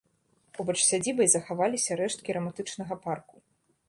Побач з сядзібай захаваліся рэшткі рамантычнага парку.